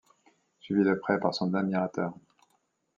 Suivi de près par son admirateur.